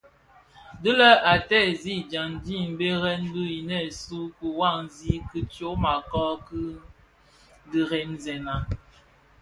Dhi lè a teezi dyaňdi mbèrèn bi inèsun kiwasi ki tyoma kö dhi kiremzèna.